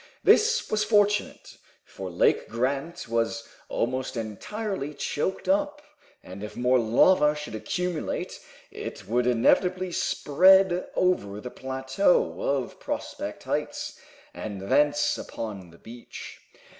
This was fortunate, for Lake Grant was almost entirely choked up, and if more lava should accumulate it would inevitably spread over the plateau of Prospect Heights, and thence upon the beach.